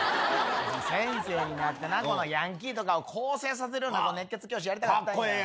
先生になったらヤンキーとか、更生させるような熱血教師、やりたかったんや。